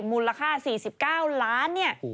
มูลค่า๔๙ล้านเนี่ย